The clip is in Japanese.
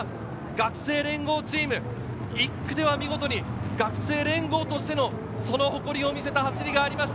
学生連合チーム、１区では見事に学生連合としての誇りを見せた走りがありました。